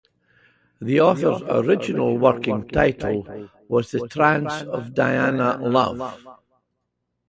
The authors' original working title was "The Trance of Diana Love".